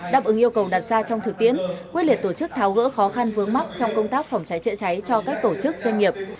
đáp ứng yêu cầu đặt ra trong thực tiễn quyết liệt tổ chức tháo gỡ khó khăn vướng mắt trong công tác phòng cháy chữa cháy cho các tổ chức doanh nghiệp